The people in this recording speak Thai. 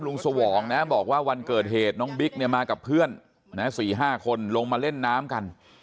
สวองนะบอกว่าวันเกิดเหตุน้องบิ๊กเนี่ยมากับเพื่อน๔๕คนลงมาเล่นน้ำกัน